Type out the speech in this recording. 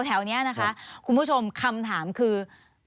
แถวนี้นะคะคุณผู้ชมคำถามคือ